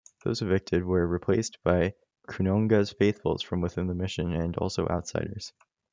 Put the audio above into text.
Those evicted where replaced by Kunonga's faithfuls from within the mission and also outsiders.